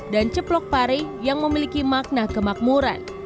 dan ceplok pari yang memiliki makna kemakmuran